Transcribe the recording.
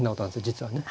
実はね。